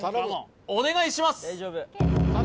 お願いします